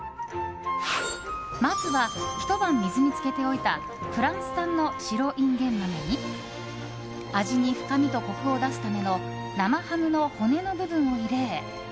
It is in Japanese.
まずは、ひと晩水に漬けておいたフランス産の白インゲン豆に味に深みとコクを出すための生ハムの骨の部分を入れ